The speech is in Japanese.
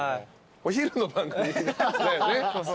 お昼の番組だよね？